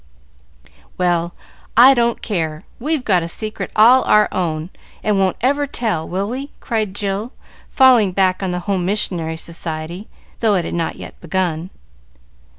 "Well, I don't care, we've got a secret all our own, and won't ever tell, will we?" cried Jill, falling back on the Home Missionary Society, though it was not yet begun.